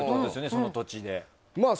その土地で。